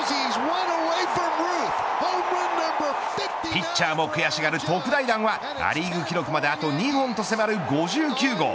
ピッチャーも悔しがる特大弾はア・リーグ記録まであと２本とせまる５９号。